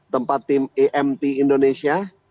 tempat tim emt indonesia